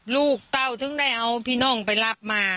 เต้าถึงได้เอาพี่น้องไปรับมา